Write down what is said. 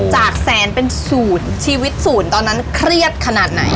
จากแสนเป็นศูนย์ชีวิตศูนย์ตอนนั้นเครียดขนาดไหน